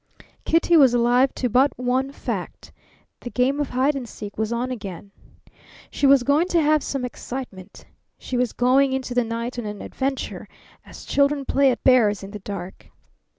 Kitty was alive to but one fact: The game of hide and seek was on again. She was going to have some excitement. She was going into the night on an adventure, as children play at bears in the dark.